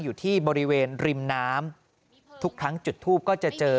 อยู่ที่บริเวณริมน้ำทุกครั้งจุดทูปก็จะเจอ